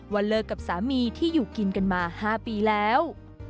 ว่าเลิกกับสามีที่อยู่กินกันมา๕ปีแล้ว